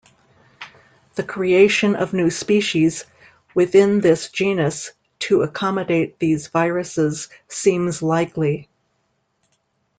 The creation of new species within this genus to accommodate these viruses seems likely.